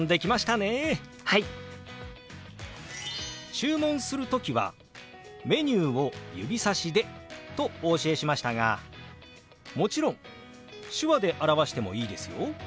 注文する時はメニューを指さしでとお教えしましたがもちろん手話で表してもいいですよ。